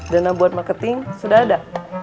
dana buat marketing sudah ada